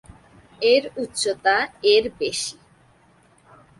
এর উচ্চতা এর বেশি।